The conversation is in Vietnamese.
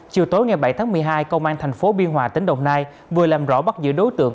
chiều tối ngày bảy tháng một mươi hai công an thành phố biên hòa tỉnh đồng nai vừa làm rõ bắt giữ đối tượng